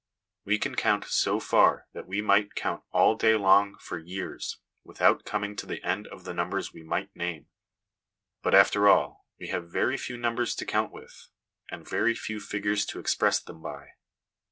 We can count so far that we might count all day long for years without coming to the end of the numbers we might name ; but after all, we have very few numbers to count with, and LESSONS AS INSTRUMENTS OF EDUCATION 259 very few figures to express them by.